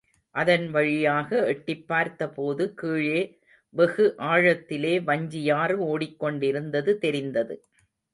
அதன் வழியாக எட்டிப் பார்த்த போது கீழே வெகு ஆழத்திலே வஞ்சியாறு ஓடிக் கொண்டிருந்தது தெரிந்தது.